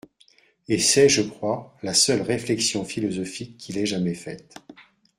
Et c'est, je crois, la seule réflexion philosophique qu'il ait jamais faite.